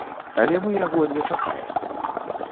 Але мы яго не чакаем.